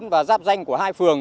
và giáp danh của hai phường